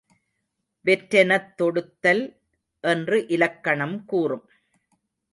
வெற்றெனத் தொடுத்தல் என்று இலக்கணம் கூறும்.